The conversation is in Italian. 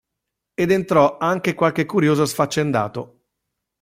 Ed entrò anche qualche curioso sfaccendato.